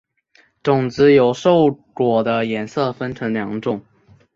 种子由瘦果的颜色分成两种。